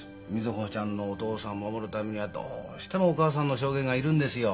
瑞穂ちゃんのお父さんを守るためにはどうしてもお母さんの証言がいるんですよ。